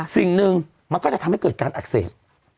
สิ่งหนึ่งมันก็จะทำให้เกิดการอักเสบ